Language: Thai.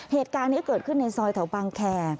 เหตุการณ์นี้เกิดขึ้นในซอยแถวบางแคร์